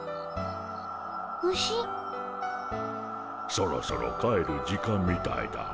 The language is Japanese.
そろそろ帰る時間みたいだモ。